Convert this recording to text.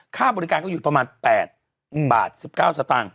ค่าบริการก็อยู่ประมาณ๘บาท๑๙สตางค์